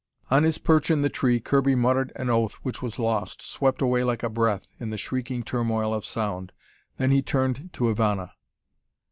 On his perch in the tree Kirby muttered an oath which was lost, swept away like a breath, in the shrieking turmoil of sound. Then he turned to Ivana.